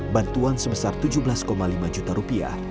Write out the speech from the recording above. bantuan sebesar tujuh belas lima juta rupiah